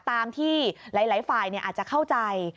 ตามที่หลายฝ่ายอาจจะเข้าใจ